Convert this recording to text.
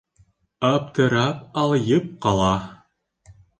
Аптырап, алйып ҡала!